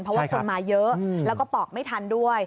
เพราะว่าคนมาเยอะแล้วก็ปอกไม่ทันด้วย